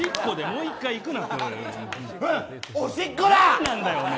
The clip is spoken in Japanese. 何なんだよ、お前！